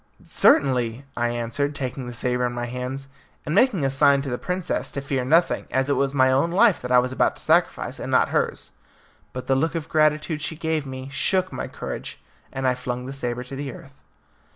"Certainly," I answered, taking the sabre in my hands, and making a sign to the princess to fear nothing, as it was my own life that I was about to sacrifice, and not hers. But the look of gratitude she gave me shook my courage, and I flung the sabre to the earth.